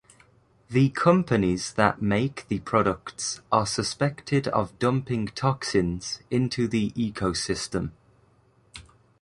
The companies that make the products are suspected of dumping toxins into the ecosystem.